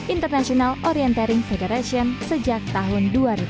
international orientering federation sejak tahun dua ribu dua